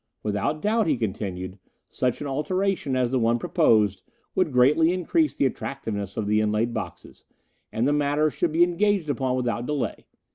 Without doubt, he continued, such an alteration as the one proposed would greatly increase the attractiveness of the inlaid boxes, and the matter should be engaged upon without delay.